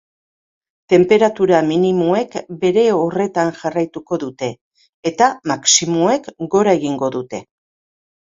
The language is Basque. Tenperatura minimoek bere horretan jarraituko dute, eta maximoek gora egingo dute.